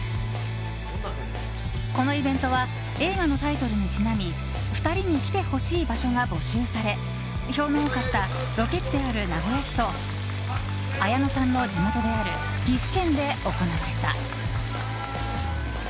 このイベントは映画のタイトルにちなみ２人に来てほしい場所が募集され票の多かったロケ地である名古屋市と綾野さんの地元である岐阜県で行われた。